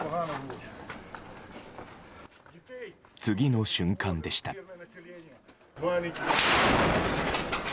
次の瞬間でした。